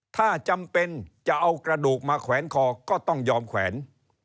ถ้าจำเป็นจะเอากระดูกมาแขวนคอก็ต้องยอมแขวน